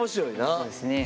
そうですね。